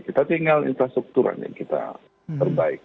kita tinggal infrastrukturan yang kita perbaiki